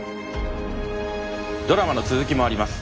ドラマの続きもあります。